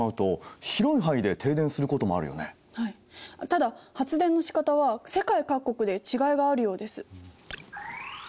ただ発電のしかたは世界各国で違いがあるようです。